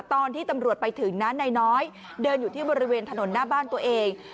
ตอนที่ตำรวจไปถึงนั้นนายน้อยเดินอยู่ที่บริเวณถนนหน้าบ้านตัวเอง